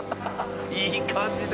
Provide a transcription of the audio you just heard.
「いい感じで。